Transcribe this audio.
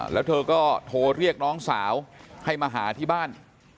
แล้วเธอก็โทรเรียกน้องสาวให้มาหาที่บ้าน